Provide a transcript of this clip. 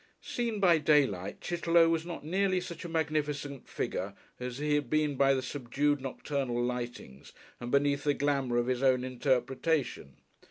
Seen by daylight, Chitterlow was not nearly such a magnificent figure as he had been by the subdued nocturnal lightings and beneath the glamour of his own interpretation.